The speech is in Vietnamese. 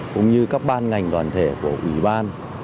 cũng như các ban ngành đoàn thể của ủy ban